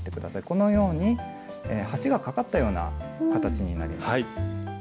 このように橋がかかったような形になります。